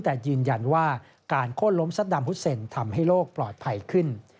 แต่ยืนยันว่าการโค้นล้มซัดดำฮุดเซนทำให้โลกปลอดภัยขึ้น